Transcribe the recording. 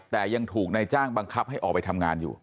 แต่ยังถูกนายจ้างบังคับให้ออกไปทำงานอยู่